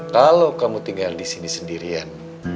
kalo kamu tinggal disini sendirian